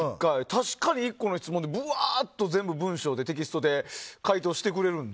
確かに１個の質問でぶわーって、全部テキストで回答してくれるので。